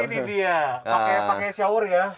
ini dia pakai shower ya